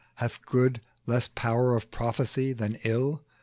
Hath Good less power of prophecy than Ill?